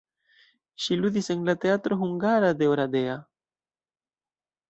Ŝi ludis en la teatro hungara de Oradea.